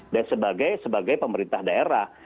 dan sebagai pemerintah daerah